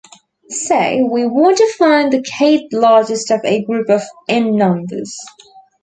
Say we want to find the "k"th largest of a group of "n" numbers.